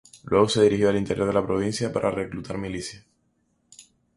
Luego se dirigió al interior de la provincia para reclutar milicias.